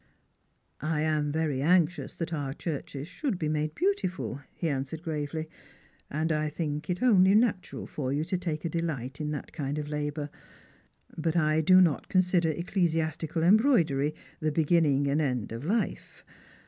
" I am very anxious that our churches should be made beau tiful," he answered gravely; "and I should think it only natural for you to take a delight in that Icind of labour. But I do not consider ecclesiastical embroidery the beginning and end of life.